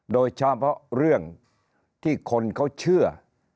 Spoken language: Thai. โดยเฉพาะเรื่องที่คนเขาเชื่อ